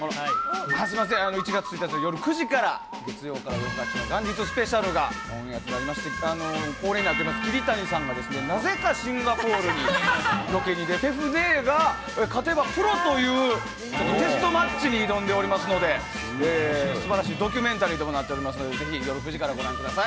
すみません、１月１日の夜９時から、月曜から夜ふかしの元日スペシャルがオンエアとなりまして、恒例となっております、桐谷さんが、なぜかシンガポールにロケに出て、フェフ姉が勝てばプロというテストマッチに挑んでおりますので、すばらしいドキュメンタリーとなっておりますので、ぜひ夜９時からご覧ください。